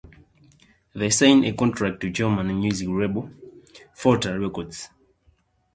They signed a contract to German music label Folter Records.